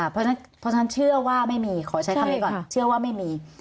เพราะฉะนั้นเชื่อว่าไม่มีขอใช้คำนี้ก่อนเชื่อว่าไม่มี